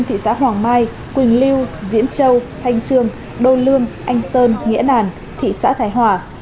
thị xã hoàng mai quỳnh lưu diễn châu thanh trương đô lương anh sơn nghĩa đàn thị xã thái hòa